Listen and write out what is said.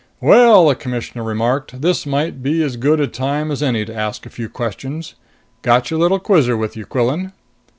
"Well," the Commissioner remarked, "this might be as good a time as any to ask a few questions. Got your little quizzer with you, Quillan?"